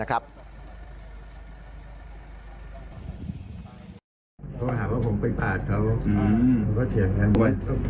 เขาหาว่าผมไปปาดเขาเขาก็เถียนแบบนี้